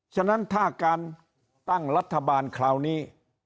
ฉะนั้นถ้าการตั้งรัฐบาลคราวนี้